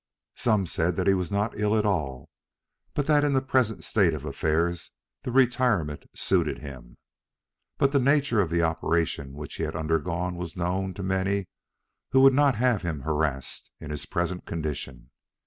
Some said that he was not ill at all, but that in the present state of affairs the retirement suited him. But the nature of the operation which he had undergone was known to many who would not have him harassed in his present condition.